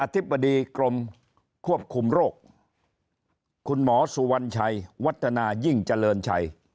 ธิบดีกรมควบคุมโรคคุณหมอสุวรรณชัยวัฒนายิ่งเจริญชัย